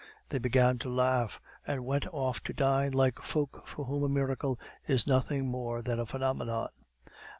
They began to laugh, and went off to dine like folk for whom a miracle is nothing more than a phenomenon.